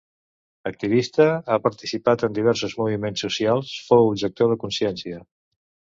Activista, ha participat en diversos moviments socials, fou objector de consciència.